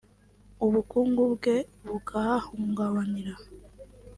ubukungu bwe bukahahungabanira